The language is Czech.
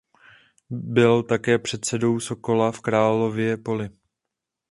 Byl také předsedou Sokola v Králově Poli.